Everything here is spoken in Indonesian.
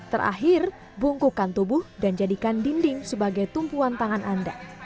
terakhir bungkukan tubuh dan jadikan dinding sebagai tumpuan tangan anda